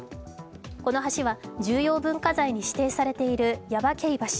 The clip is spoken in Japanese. この橋は重要文化財に指定されている耶馬渓橋。